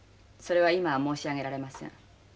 それは今は申し上げられません。